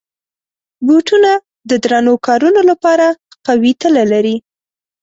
بوټونه د درنو کارونو لپاره قوي تله لري.